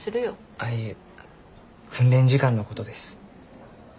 ああいえ訓練時間のことです。